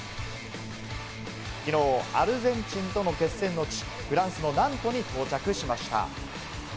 きのうアルゼンチンとの決戦の地、フランスのナントに到着しました。